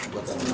dapat dari mana